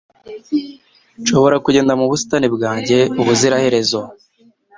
Nshobora kugenda mu busitani bwanjye ubuziraherezo.”